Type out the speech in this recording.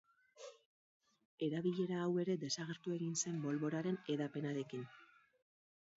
Erabilera hau ere desagertu egin zen bolboraren hedapenarekin.